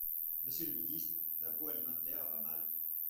Monsieur le ministre, l’agroalimentaire va mal.